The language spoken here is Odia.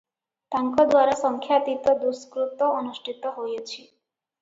ତାଙ୍କଦ୍ୱାରା ସଂଖ୍ୟାତୀତ ଦୁଷ୍କୃତ ଅନୁଷ୍ଠିତ ହୋଇଅଛି ।